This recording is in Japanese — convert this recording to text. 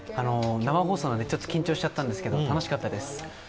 生放送なんでちょっと緊張しちゃったんですけど楽しかったです。